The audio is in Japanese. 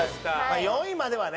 ４位まではね。